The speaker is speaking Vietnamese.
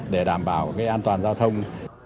để đảm bảo an toàn giao thông